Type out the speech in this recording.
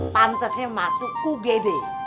pantesnya masuk kugede